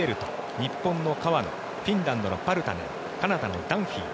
日本の川野フィンランドのパルタネンカナダのダンフィー。